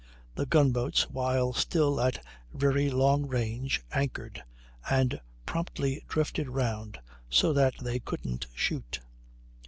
The gun boats, while still at very long range, anchored, and promptly drifted round so that they couldn't shoot.